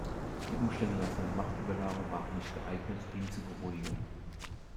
Die Umstände nach seiner Machtübernahme waren nicht geeignet, ihn zu beruhigen.